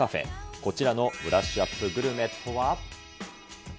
こちらのブラッシュアップグルメとは。